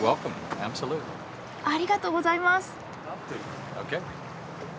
ありがとうございます！